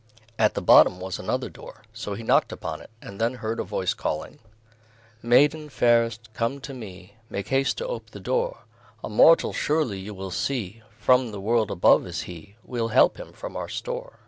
At the bottom was another door, so he knocked upon it, and then heard a voice calling "Maiden, fairest, come to me, Make haste to ope the door, A mortal surely you will see, From the world above is he, We'll help him from our store."